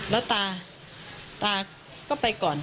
แล้วตาตาก็ไปก่อน